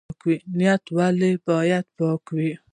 نیت ولې باید پاک وي؟